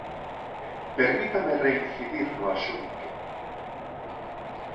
Permítame reincidir no asunto.